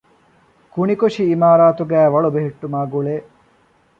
ކުނިކޮށި އިމާރާތުގައި ވަޅު ބެހެއްޓުމާގުޅޭ